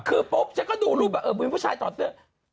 คือปุ๊บฉันก็ดูรูปมีผู้ชายถอดเสื้อ